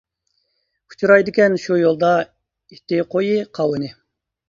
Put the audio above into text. ئۇچرايدىكەن شۇ يولدا، ئىتى، قويى، قاۋىنى.